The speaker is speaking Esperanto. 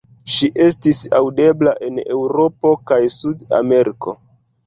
Ŝi estis aŭdebla en Eŭropo kaj Sud-Ameriko.